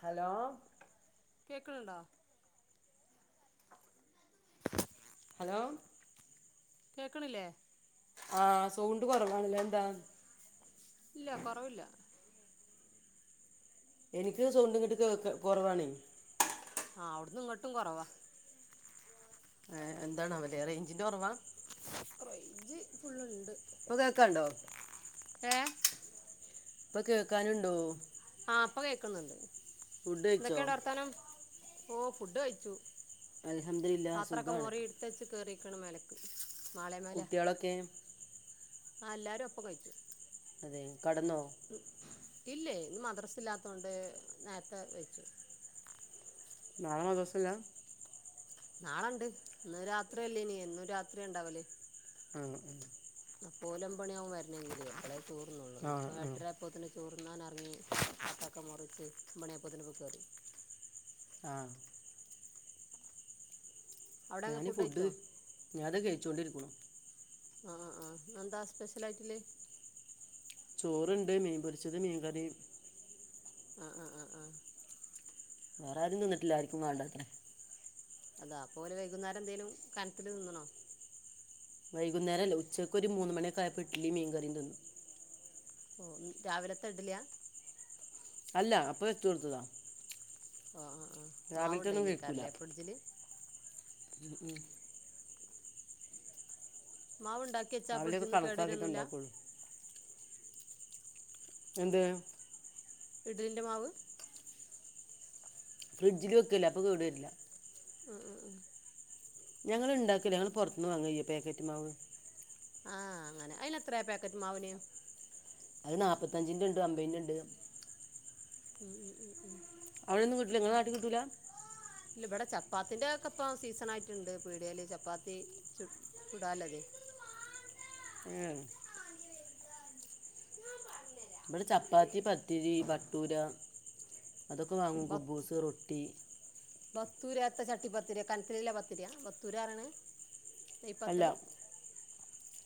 Hello കേക്ക്ണണ്ടാ hello കേൾക്ക്ണില്ലേ ആഹ് സൗണ്ട് കുറവാണല്ലോ എന്താ ഇല്ല കുറവില്ല എനിക്ക് ഈ സൗണ്ടും [unintelligible] കുറവാണോ ആഹ് അവിടുന്ന് ഇങ്ങട്ടും കുറവ ആഹ് എന്താണവല റേഞ്ചിന്റെ. കുറവാ റേയ്ഞ്ച് ഫുള്ണ്ട് ഇപ്പൊ കേക്കാണ്ടോ ഏ ഇപ്പ കേൾക്കാനുണ്ടോ ആ പ്പ കേൾക്കുന്നുണ്ട് ഫുഡ് കഴിച്ചോ എന്തൊക്കെയണ്ട് വർത്താനം ഓ ഫുഡ് കഴിച്ചു അൽഹംദുലില്ലാ പാത്രൊക്കെ സുഖാണ് മോറിയിടുത്തച്ച് കേറിക്കണ് മലക്ക് കുട്ടികളൊക്കെ ആഹ് എല്ലാരും അപ്പം കയ്ച്ചു അതെ കടന്നോ ഇല്ലേ ഇന്ന് മദ്രസല്ലാത്തകൊണ്ട് നേരത്തെ വെച്ചു നാളെ ബസ്സ്ല്ലാ നാളെണ്ട് ഇന്ന് രാത്രി അല്ലേ ഇനി എന്നും രാത്രിണ്ടാവല് ആഹ് ആഹ് അപ്പോ ഓലോമ്പണിയാവും വരണെങ്കില് അപ്പളേ ചോറ്ണ്ണ്വൊള്ളൂ ആ ആ ഇന്നിപ്പാട്ടെരാ പ്പൊത്തിന് ചോറുന്നാൻ എറങ്ങി വത്തക്ക മുറിച്ച് ഒമ്പണിയാപ്പൊത്ത്ന് പോയ് കേറി ആഹ് അവിടെ അങ്ങ് ഞാന് ഫുഡ് കഴിച്ചോ ഞാ ദേ കയ്ച്ചോണ്ടിരിക്കുണു ആഹ് ആഹ് ആഹ് ഇന്നെന്താ സ്പെഷ്യലായ്റ്റ്ല്ലേ ചോറ്ണ്ട് മീൻ പൊരിച്ചത് മീൻ കറിം ആഹ് ആഹ് ആഹ് ആഹ് വേറാരും തിന്നിട്ട്ല്ല ആരിക്കും വേണ്ടാത്രെ അതാ അപ്പോല് വൈകുന്നേരെന്തേലും കനത്തില് തിന്ന്ണോ വൈകുന്നേരല്ല ഉച്ചക്ക് ഒര് മൂന്ന് മണിയക്കായപ്പം ഇട്ട്ലിം മീൻകറിം തിന്നു ഓഹ് ഇൻരാവിലത്തെ ഇടല്യാ അല്ല അപ്പ വെച്ച് കൊടുത്തതാ ആഹ് ആഹ് ആഹ് രാവിലത്തെ ഒന്നും മാവുണ്ടയ്നെക്കാറ്ല്ലേ ഫ്രിഡ്ജില് ഉം ഉം മാവുണ്ടാക്കിവെച്ചാ രാവിലെയൊക്കെ ഫ്രിഡ്ജ്ന്ന് കണക്കാക്കിയിട്ട് കേട്വര്വൊന്നുല്ല ഉണ്ടാക്കുള്ളൂ എന്ത് ഇഡല്ൻ്റെ മാവ് ഫ്രിഡ്ജില് വെക്ക്വല്ലേ അപ്പകേട് വര്ല്ല ആഹ് ആഹ് ആഹ് ഞങ്ങള്ണ്ടാക്ക്ല്ല ഞങ്ങള് പൊറത്ത്ന്ന് വാങ്ങ്വാ ഈപാക്കറ്റ്മാവ് ആഹ് അങ്ങനെ അയ്നെത്രെയാ പാക്കറ്റ്മാവ്ന് അത് നാപ്പത്തഞ്ചിന്റെണ്ട് അമ്പതിന്റെണ്ട് ഉം ഉം ഉം ഉം അവിടൊന്നും കിട്ട്ല്ല ങ്ങടെ നാട്ടികിട്ടൂല്ല ഇല്ല ഇവ്ടെ ചപ്പാത്തിന്റെക്കെ ഇപ്പ സീസണായ്ട്ട്ണ്ട് പീട്യല് ചപ്പാത്തി ചു ചുടാല്ലതെ ആഹ് ഇവ്ടെ ചപ്പാത്തി പത്തിരി ബട്ടൂര അതൊക്കെ വാങ്ങും ബത്ത് കുബ്ബുസ് റൊട്ടി ബത്തൂരത്തെ ചട്ടി പത്തിരിയാ കനത്തില്ല്ല പത്തത്തിരിയാ ബത്തൂരറണെ അല്ല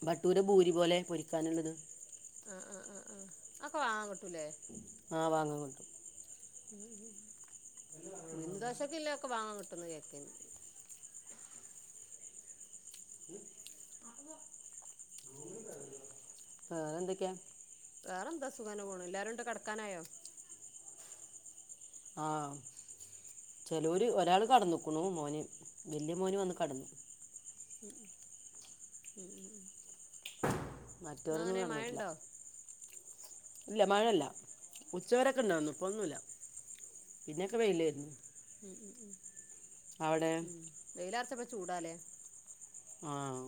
ഭട്ടൂര് ഭൂരി പോലെ പൊരിക്കാന്ള്ളത് ആഹ് ആഹ് ആഹ് ആഹ് അത‌ക്കെ വാങ്ങാകിട്ടൂല്ലെ ആഹ് വാങ്ങാകിട്ടും ഉയ്ന്ന് ദോശ‌ക്കെ ഇല്ലൊക്കെ വാങ്ങാൻ കിട്ടുന്ന് കേക്കണ്ണ്ട് വേറെന്തക്കെയാ വേറെന്താ സുഖന്നെപോണ് എല്ലാര്ണ്ടാ കെടക്കാനായോ ആഹ് ചെലോര് ഒരാള് കടന്ന്ക്കുണു മോന് വല്ല്യ മോന് വന്ന് കടന്നു ഉം ഉം ഉം ഉം ഉം എന്നാ മറ്റവരൊന്നും അങ്ങനെ മഴ കടന്നിട്ടില്ല ഉണ്ടോ ഇല്ല മഴയ്ല്ലാ ഉച്ചവരൊക്കെണ്ടാര്ന്നു ഇപ്പോന്നുല്ല പിന്നൊക്കെ വെയ്ല്ലായ്രുന്നു ഉം ഉം ഉം ഉം വെയിലർച്ചപ്പം ചൂടാല്ലെ ആഹ്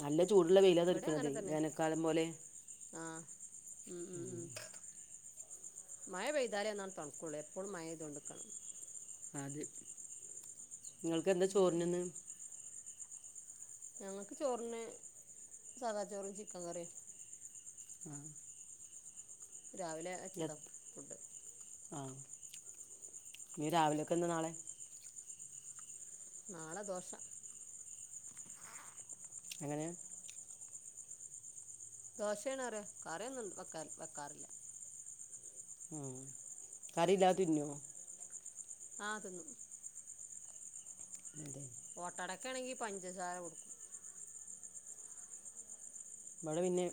നല്ല ചൂടുള്ള വെയിലാ ഇവിടെ അങ്ങനെ തെട്ക്കിണതേ തന്നെ വേനൽക്കാലം പോലെ ആഹ് [unintelligible] മയ പെയ്താലേ ഒന്നണ് തണക്കൊള്ളൂ എപ്പളും മയെയ്തോണ്ട്ക്കണം അതെ ഇങ്ങൾക്ക് എന്താ ഉം ഉം ചോറിന് ന്ന് ഞങ്ങക്ക് ചോർന് സാദാ ചോറും ചിക്കങ്കറിയാ [unintelligible] രാവിലെ വെച്ചതാ ഫുഡ് ആഹ് ഇഞ്ഞ് രാവിലെക്കെന്താ നാളെ നാളെദോഷ എങ്ങെന ദോശ്യേണറയ കറിയൊന്നും വക്കാ വക്കാറില്ല ഉം കറില്ലാ തിന്നോ ആഹ് തിന്നു അതെ ഓട്ടടക്കാണെങ്കി പഞ്ചസാരൊട് ബടെ പിന്നെ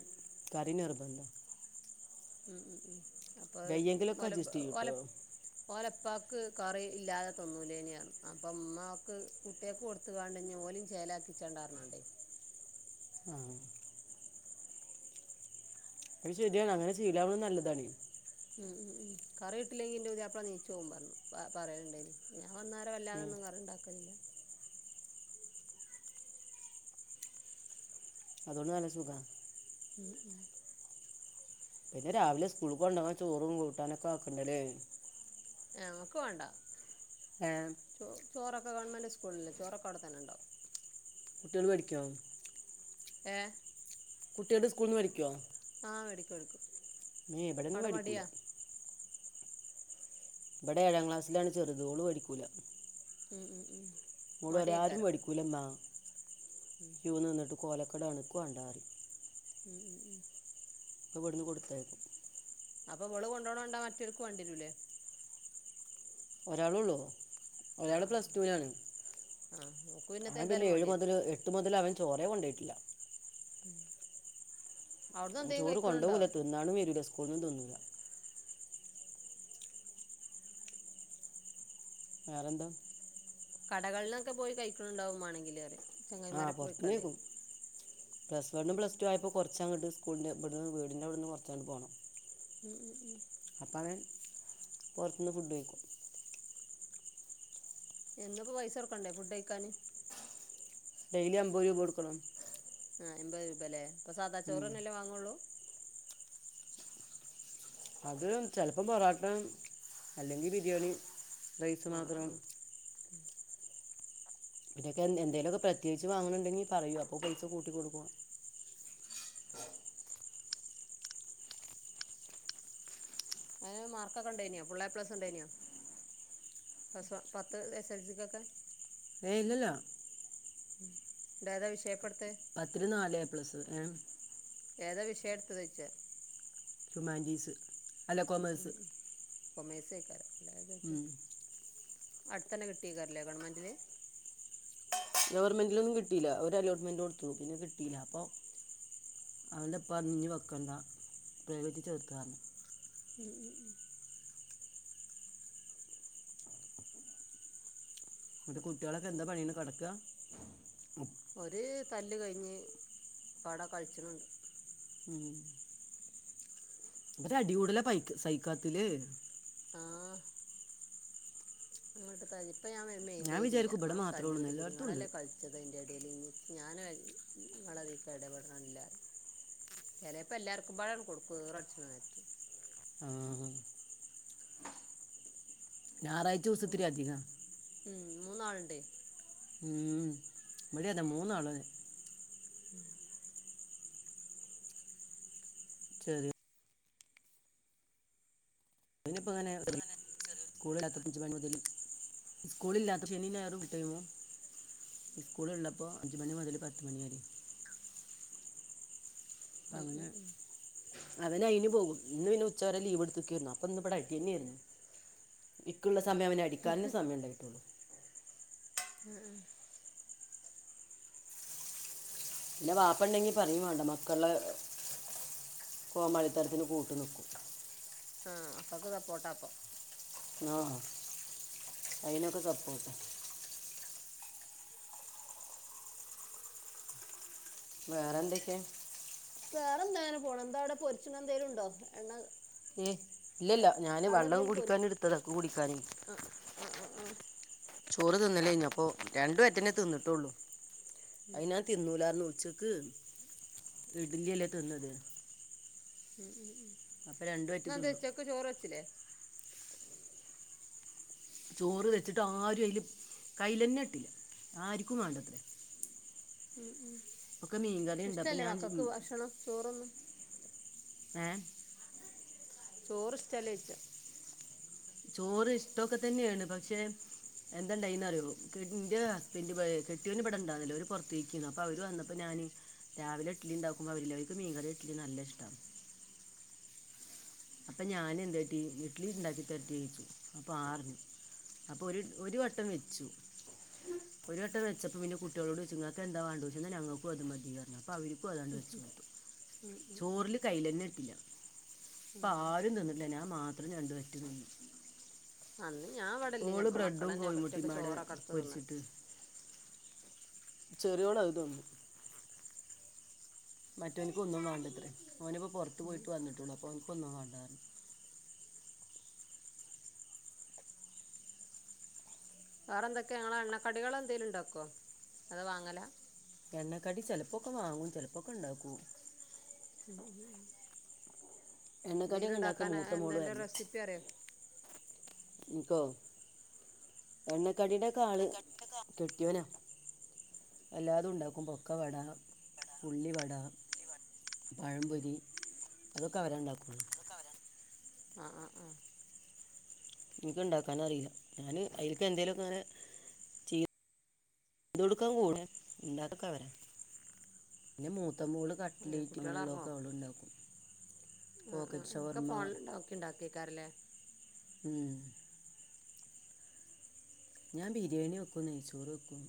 കറി നിർബന്ധ ഉം ഉം ഉം അപ്പ അ വയ്യെങ്കിലൊക്കെ വല അഡ്ജസ്റ്റ് ചെയ്യും കേട്ടോ ഓലെ ഓലെപ്പാക്ക് കറി ഇല്ലാതെ തിന്നൂലേനി അപ്പം ഇമ്മാക്ക് കുട്ട്യാക്കൊട് ത്തികാണ്ടിഞ്ഞോലിം ചേലാക്കിച്ചണ്ടാ അർഞാണ്ടേ ആഹ് ത് ശര്യാണ് അങ്ങനെ ശീലാവ്ണൊ നല്ലതാണെ ഉം ഉം ഉം കറിട്ടില്ലെങ്കി ഇന്റെ പുതിയപ്ളാ നീച്ചോവും പർഞ്ഞ് പ പറയ്ലിണ്ടായ്നി ഞാൻ വന്നാരെ ഉം വല്ലാതൊന്നും കറിണ്ടാക്കല്ല അതോണ്ട് നല്ല സുഖ [unintelligible] പിന്നെ രാവിലെ സ്കൂൾക്കൊണ്ടൊവാൻ ചോറും കൂട്ടാനൊക്കാക്കണ്ടെ ലേ ഞങ്ങക്ക് വാണ്ട ഏഹ് ചോ ചോറൊക്കെ ഗവൺമെന്റ് സ്കൂൾല്ലേ ചോറൊക്കെ അവ്ടെതന്നെണ്ടവും കുട്ട്യാൾ പഠിക്കോ ഏഹ് കുട്ട്യോട് സ്കൂൾന്ന് വടിക്കോ ആഹ് എടുക്കും എടുക്കും മേ എബടെന്നും വേടിക്കൂല ഇബടെ ഏഴാം ക്ലാസ്ലാണ് ചെറ്ത് ഓള് വേടിക്കൂല ഉം ഉം ഉം ഓള് അറിം ആരും വേടിക്കൂലമ്മ ഉം ക്യൂ നിന്നിട്ട് കോലക്കേടാണ് ഇക്ക് വാണ്ടാറി ഉം ഉം ഉം വിട്ന്ന് കൊട്ത്തയ്ക്കും അപ്പവള് കൊണ്ടോണണ്ട മറ്റോൽക്ക് വാണ്ട്യരൂല്ലേ. ഒരാളൊള്ളൂ ആ ഒരാള് പ്ലസ് ടൂനാണ് ആ ആ ഓക്ക് പിന്നത്തെ ആ പിന്നെ ഏതായാലും ഏഴ് വേണ്ടിവരും മുതല് എ ട്ട് മുതൽ അവൻ ചോറേ കൊണ്ടെയ്ട്ടില്ല. അവ്ട്ന്നെന്തേ കൈക്കിണിണ്ടോ? ഇന്നാണും വരൂല്ല സ്കൂൾന്നും തിന്നൂല. വേറെന്താ കടകൾനൊക്കെ പോയി കൈക്കിണിണ്ടാവും മാണെങ്കില് അറയാ ആഹ് പൊറത്തുന്നെയ്ക്കും. പ്ലസ് വണും പ്ലസ് ടു ആയപ്പോ കൊറച്ചങ്ങട്ട് സ്കൂളിന്റെ ഇവിടുന്ന് വീടിന്റെ ഇവിടെന്ന് കൊറച്ചങ്ങോട്ട് പോണം. ഉം ഉം ഉം അപ്പ അവൻ പൊറത്തുന്ന് ഫുഡ് കഴിക്കും. എന്നുപ്പോ പൈസൊട്ക്കണ്ടേ ഫുഡ് കഴിക്കാന്. ഡെയിലി അമ്പത് രൂപ കൊടുക്കണം. ആഹ് എമ്പത് രൂപല്ലേ ഇപ്പ സാദാ ഉം. ചോറന്നെല്ലേ വാങ്ങൊള്ളൂ. അത് ചെലപ്പം പൊറോട്ട അല്ലെങ്കി ബിരിയാണി റൈസ് ആഹ് മാത്രം. ആഹ് ആഹ് ഇതൊക്കെ എന്തേലൊക്കെ പ്രത്യേകിച്ച് വാങ്ങണുണ്ടെങ്കിൽ പറയും അപ്പോ പൈസ കൂട്ടി കൊടുക്കും. അവന് മാർകൊക്കെണ്ടേയ്നാ ഫുള്ളേപ്ലസ് ഉണ്ടേനോ? പസ് പത്ത് എസ് എസ് എൽ സിക്കൊക്കെ ഏയ് ഇല്ലല്ല. ണ്ടാതാ വിഷയപ്പെടുതെ പത്തില് നാല് എ പ്ലസ് ഏഹ് ഏതാ വിഷയടുത്തത് ചോയ്ച്ച ഹ്യൂമാനിറ്റീസ് അല്ല ഉം കൊമേഴ്സ് ഉം കോമേഴ്‌സ് ആക്കാരം അല്ലാതെ ഉം അടുത്തന്നെ കിട്ടേക്കാരല്ലേ ഗവൺമെന്റില് ഗവർമെന്റിലൊന്നും കിട്ടീല ഒര് അലോട്ട്മെന്റ് കൊടുത്തു പിന്നെ കിട്ടില്ല അപ്പൊ അവന്റെ ഇപ്പറഞ്ഞ് ഇനി വെക്കണ്ടാ പ്രൈവേറ്റ് ചേർത്താറഞ്ഞു. ഉം ഉം ഉം ന്നിട്ട് കുട്ടികളൊക്കെ എന്താ പണിണ് കടക്ക ഒരു തല്ല് കഴിഞ്ഞ് ഇപ്പവടെ കളിച്ചിണുണ്ട്. ഉം ഇവര് അടികൂടല പൈ സൈക്കാത്ത് ലേ ആഹ് അങ്ങോട്ട് തല്ല് ഇപ്പ ഞാൻ വരെ മെയിൻറ ഞാൻ ചെയ്യലില്ല വിചാരിക്കും ഇവിടെ അങ്ങട്ട് മാത്രമേ ഉള്ളൂ തല്ലൂടികൂടി എല്ലായിടത്തും ഉണ്ട് ങ്ങളല്ലെ കളി ച്ചത് അതിന്റെ ഇടയിൽ ഇന്നി ഞാൻ ങ്ങളയ്ക്കെടപെടണില്ലറയും. ചെലേപ്പോ എല്ലാർക്കും പാടെ അങ്ങട്ട് കൊടുക്കും ഈറടിച്ച്ണ നേരത്ത്. ആഹ് ഞായറാഴ്ചോസം മൂ ഇത്തിരി അധികാണ്. ഉം മൂന്നാളുണ്ട്. ഉം ഇവടിം അതെ മൂന്നാള്. ശരി പിന്നെപ്പങ്ങനെ [unintelligible] സ്കൂൾല്ലാത്തപ്പോ ജ്ജ് [unintelligible] സ്കൂളില്ലാത്ത ശനി ഞായറും കിട്ടോ ഒഴിവും സ്കൂള് ഉള്ളപ്പോ അഞ്ചുമണി മുതൽ പത്തുമണി വരെ അപ്പൊ ഉം ഉം അങ്ങനെണ് ഉം അവനയിന് പോകും ഇന്ന് പിന്നെ ഉച്ചവരെ ലീവ് എടുത്ത്ക്കേരുന്നു അപ്പൊ ഇന്ന് ഇവിടെ അടിയന്നെരുന്നു. ഇക്ക്ള്ള സമയം അവനെ അടിക്കാനന്നെ സമയണ്ടായിട്ടുള്ളു ഉം ഉം പിന്നെ വാപ്പ ണ്ടെങ്കി പറയും വേണ്ട മക്കളെ കോമാളിത്തരത്തിന് കൂട്ടു നിക്കും ആഹ് അപ്പാക്ക് സപ്പോർട്ടാ അപ്പ ആഹ് അയിനൊക്കെ സപ്പോർട്ട് വേറെ എന്തൊക്കെയ വേറെ എന്താ ങ്ങനെ പോണു എന്താ അവിടെ പൊരിച്ചന എന്തേലും ഉണ്ടോ എണ്ണ ഏയ് ഇല്ലല്ല ഞാന് അവിടെ വെള്ളം എന്തേലും പൊരി കുടിക്കാന് എടുത്തത ഇക്ക് കുടിക്കാൻ ആഹ് ആഹ് ആഹ് ആഹ് ചോറ് തിന്നലേഞ് അപ്പോ രണ്ടു വറ്റന്നെ തിന്നിട്ടുള്ളൂ ഉം അതിന തിന്നൂലാർന്ന് ഉച്ചക്ക് ഇഡല്യല്ലേ തിന്നത് ഉം ഉം ഉം അപ്പ രണ്ട് വറ്റ് തിന്നു ക്ക് ചോറ് വച്ച്ല്ലേ ചോറ് വെച്ചിട്ട് ആരും അയ്ല് കൈലെന്നെ ഇട്ടില്ല ആരിക്കും വേണ്ടത്രേ ഉം ഉം ഒക്കെ മീൻകറി ഉണ്ട് അപ്പം ഇഷ്ടല്ലേ ഞാൻ വക്കക്ക് ഉം, ഭക്ഷണം ചോറൊന്നും ഏഹ് ചോറ്ഷ്ടല്ലെയ്ച്ച ചോറ് ഇഷ്ട്ടൊക്കെ തന്നെയാണ് പക്ഷെ എന്താണ്ടായെന്നറ്യോ കിട്ന്റെ ഹസ്ബന്റ്ബെ കെട്ട്യൊന്വ്ടെ ണ്ടായ്നില്ല ഓര് പുറത്തോയിക്കേനുഅപ്പൊ അവര് വന്നപ്പോ ഞാന് രാവിലെ ഇഡലി ഉണ്ടുമ്പോ അവരില്ല അവര്ക്ക് മീങ്കരീഇഡലി നല്ല ഇഷ്ടം അപ്പഞാനെന്ത്ട്ടീ ഇഡ്ലി ണ്ടാക്കി തെര്ട്ടെച്ചു അപ്പാർഞ്ഞു അപ്പൊ ഒരു ഒരു വട്ടം വെച്ചു ഒരു വട്ടം വെച്ചപ്പോ പിന്നെ കുട്ടികളോട്യ്ച്ച് ങ്ങ‌ക്കെന്താ വാണ്ടെ ഞങ്ങക്കും അത് മതീർഞ്ഞു അപ്പോ അവര്ക്കും അതങ്ങ്ട് വെച്ച് കൊടുത്തു ചോറില് കൈയ്ലെന്നെട്ടില്ല പ്പാരും തിന്നിട്ടില്ല ഞാൻ മാത്രം രണ്ട് വറ്റ് തിന്ന്‌ അന്ന് ഞാവ്ടെല്ലേനു അപ്പ ബ്രെഡും മക്കളന്നെ ഒറ്റക്ക് കോഴിമുട്ടിമാടെ ചോറൊക്കെടുത്ത് തിന്ന്‌ പൊരിച്ചിട്ട് ചെറിയോള് അത് തിന്ന് മറ്റോൻക്കൊന്നും വേണ്ടത്രേ ഓന്പ്പ പൊറത്ത് ഉം പോയിട്ട് വന്നിട്ടൊള്ളൂ അപ്പൊ ൻക്കൊന്നും വാണ്ടാർഞ്ഞു വേറെന്തെക്കെയാ ങ്ങള് എണ്ണക്കടികളെന്തേലുംണ്ടാക്ക്വൊ അതൊ വാങ്ങലാ എണ്ണക്കടി ചെലപ്പോക്കെ വാങ്ങും ചെലപ്പോക്കെണ്ടാക്കൂ ഉം ഉം ഉം എണ്ണക്കടിയൊക്കെ ഉണ്ടാക്കാൻ എന്തേലുംണ്ടാക്കാനെ മൂത്ത എഹ് മോള് ന്ത്ന്റെ വരണം റെസിപ്പി അറിയോ ഇൻക്കോ എണ്ണക്കടീടെക്കെ ആള് കെട്ട്യോനാ എല്ലാതും ഉണ്ടാക്കും പൊക്ക വട ഉള്ളിവട പഴംപൊരി അതൊക്കെ അവരെ ണ്ടാക്ക്വൊള്ളൂ അതൊക്കെ അവരാ ആഹ് ആഹ് ആഹ് ഇനിക്കൊണ്ടാക്കാനറീല്ല ഞാന് അയ്ല്ക്ക് എന്തേല്വക്ക്ങ്ങനെ ത്കൊടുക്കാൻ കൂടെ ഇണ്ടാകൊക്കെ അവരാ പിന്നെ മൂത്തമോള് കുട്ടികളെറങ്ങോ കട്ട്ലേറ്റ്ങ്ങനെള്ളതക്കെ അവള്ണ്ടാക്കും പോക്കറ്റ് ഷവർമ്മ അവ്ക്കിണ്ടാക്ക് കേക്കാറ്ല്ലേ ഉം ഞാൻ ബിരിയേണി വെക്കും നെയ്ച്ചോറ് വെക്കും